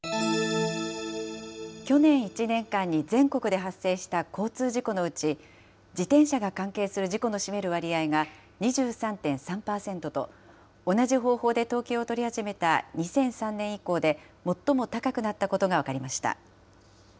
去年１年間に全国で発生した交通事故のうち、自転車が関係する事故の占める割合が、２３．３％と、同じ方法で統計を取り始めた２００３年以降で、最も高くなったことが分かりました。